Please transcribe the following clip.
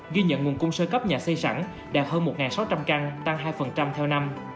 ghi nhận nguồn cung sơ cấp nhà xây sẵn đạt hơn một sáu trăm linh căn tăng hai theo năm